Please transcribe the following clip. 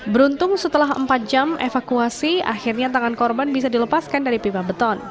beruntung setelah empat jam evakuasi akhirnya tangan korban bisa dilepaskan dari pipa beton